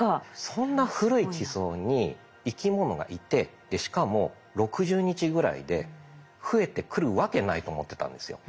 そんな古い地層に生き物がいてしかも６０日ぐらいで増えてくるわけないと思ってたんですよ。